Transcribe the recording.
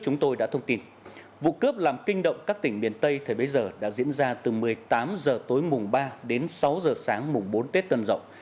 chúng tôi đã thông tin vụ cướp làm kinh động các tỉnh miền tây thời bấy giờ đã diễn ra từ một mươi tám h tối mùng ba đến sáu h sáng mùng bốn tết tân dậu